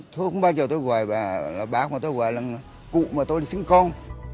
thôi cũng bao giờ tôi gọi bà là bác mà tôi gọi là cụ mà tôi là sinh con